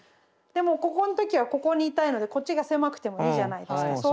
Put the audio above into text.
でもここの時はここにいたいのでこっちが狭くてもいいじゃないですか。